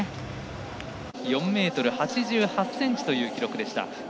４ｍ８８ｃｍという記録。